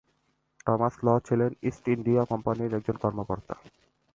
Thomas Law ছিলেন East India কোম্পানির একজন কর্মকর্তা।